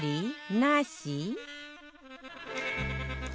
なし？